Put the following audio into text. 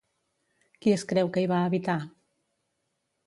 Qui es creu que hi va habitar?